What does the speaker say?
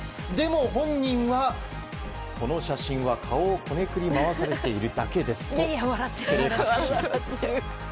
でも本人はこの写真は顔をこねくり回されているだけですと照れ隠し。